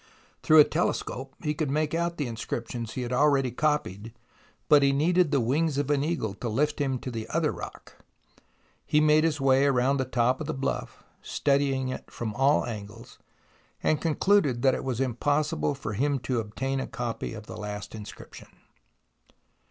Through a telescope he could make out the inscrip tions he had already copied, but he needed the wings of an eagle to lift him to the other rock. He made his way round the top of the bluff, study ing it from all angles, and concluded that it was impossible for him to obtain a copy of the last inscription.